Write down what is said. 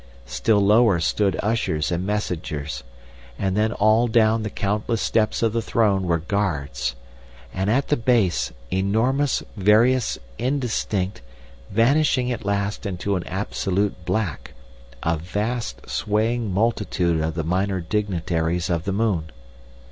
Still lower stood ushers and messengers, and then all down the countless steps of the throne were guards, and at the base, enormous, various, indistinct, vanishing at last into an absolute black, a vast swaying multitude of the minor dignitaries of the moon.